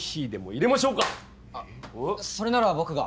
あっそれなら僕が。